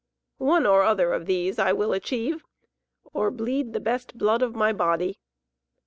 One or other of these will I achieve, or bleed the best blood of my body."